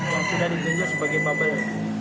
yang sudah ditunjuk sebagai bubble